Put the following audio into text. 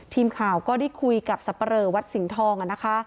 ทีมข่าวก็ได้คุยกับสับปะเลอวัดสิงห์ทองนะคะ